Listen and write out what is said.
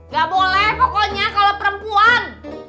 gak boleh pokoknya kalau perempuan